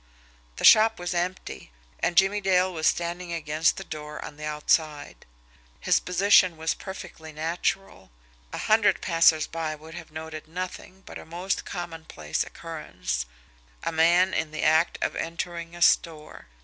The shop was empty and Jimmie Dale was standing against the door on the outside. His position was perfectly natural a hundred passers by would have noted nothing but a most commonplace occurrence a man in the act of entering a store.